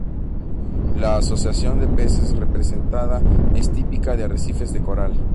La asociación de peces representada es típica de arrecifes de coral.